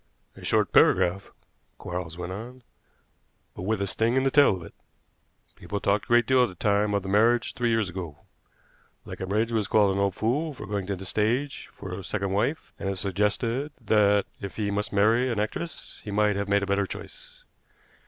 "A short paragraph," Quarles went on, "but with a sting in the tail of it. People talked a great deal at the time of the marriage three years ago. Leconbridge was called an old fool for going to the stage for a second wife, and it was suggested that, if he must marry an actress, he might have made a better choice.